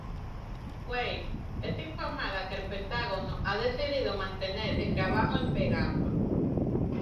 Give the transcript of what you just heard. Weir es informada que el Pentágono ha decidido mantener el trabajo en Pegaso.